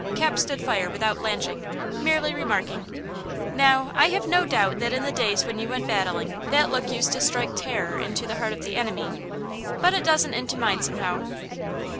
Cap stood fire without blanching, merely remarking: "Now, I have no doubt that in the days when you went battling that look used to strike terror into the heart of the enemy, but it doesn't into mine, somehow."